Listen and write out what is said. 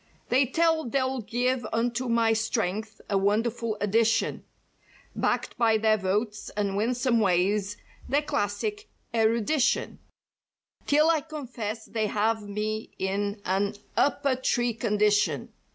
"They tell they'll give unto my strength a wonder¬ ful addition, "Backed by their votes and winsome ways, their classic erudition, " 'Till I confess they have me in an 'up a tree' condi¬ tion.